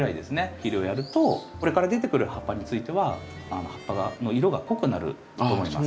肥料やるとこれから出てくる葉っぱについては葉っぱの色が濃くなると思います。